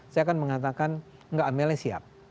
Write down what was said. saya akan mengatakan enggak amelnya siap